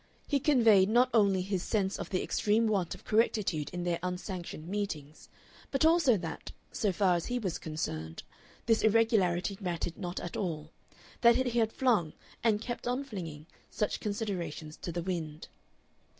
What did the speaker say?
He conveyed not only his sense of the extreme want of correctitude in their unsanctioned meetings, but also that, so far as he was concerned, this irregularity mattered not at all, that he had flung and kept on flinging such considerations to the wind.